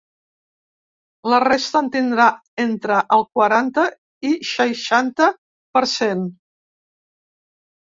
La resta, en tindrà entre el quaranta i seixanta per cent.